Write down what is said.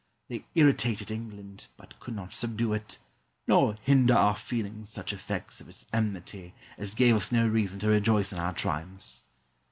They irritated England, but could not subdue it, nor hinder our feeling such effects of its enmity as gave us no reason to rejoice in our triumphs.